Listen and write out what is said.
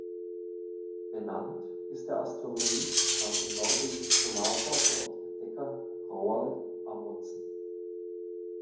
Benannt ist der Asteroid nach dem norwegischen Polarforscher und Entdecker Roald Amundsen.